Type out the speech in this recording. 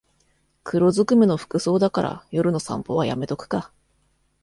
黒ずくめの服装だから夜の散歩はやめとくか